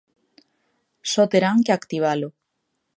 Só terán que activalo.